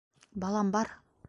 - Балам бар.